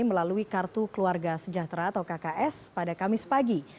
melalui kartu keluarga sejahtera atau kks pada kamis pagi